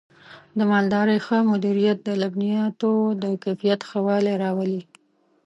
د مالدارۍ ښه مدیریت د لبنیاتو د کیفیت ښه والی راولي.